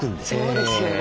そうですよね。